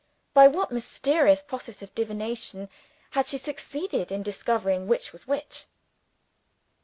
By what mysterious process of divination had she succeeded in discovering which was which?